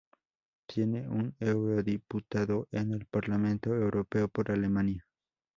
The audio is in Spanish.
Tiene un eurodiputado en el Parlamento Europeo por Alemania.